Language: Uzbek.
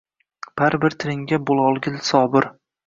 Baribir tilingga bo‘lolgin sobir.